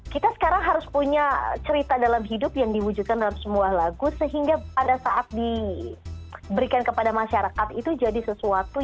kita sekarang harus punya cerita dalam hidup yang diwujudkan dalam sebuah lagu sehingga pada saat diberikan kepada masyarakat itu jadi sesuatu